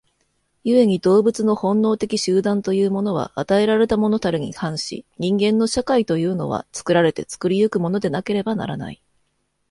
故に動物の本能的集団というものは与えられたものたるに反し、人間の社会というのは作られて作り行くものでなければならない。